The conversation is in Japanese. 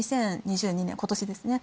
２０２２年今年ですね。